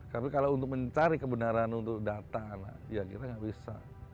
tapi kalau untuk mencari kebenaran untuk data anak ya kita nggak bisa